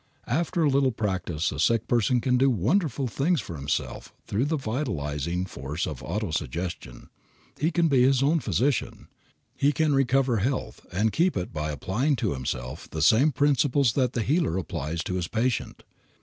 After a little practice a sick person can do wonderful things for himself through the vitalizing force of auto suggestion. He can be his own physician. He can recover health and keep it by applying to himself the same principles that the healer applies to his patient.